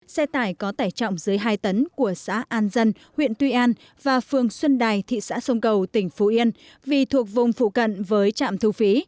xe tải có tải trọng dưới hai tấn của xã an dân huyện tuy an và phường xuân đài thị xã sông cầu tỉnh phú yên vì thuộc vùng phụ cận với trạm thu phí